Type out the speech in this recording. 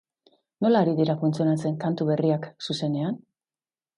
Nola ari dira funtzionatzen kantu berriak zuzenean?